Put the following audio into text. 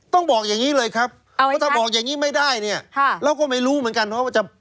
ต้องบอกอย่างนี้เลยครับว่าถ้าบอกอย่างนี้ไม่ได้เนี่ยเราก็ไม่รู้เหมือนกันว่าจะ